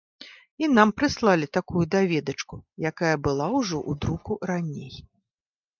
І нам прыслалі такую даведачку, якая была ўжо ў друку раней.